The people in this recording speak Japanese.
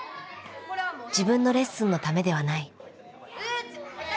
自分のレッスンのためではない。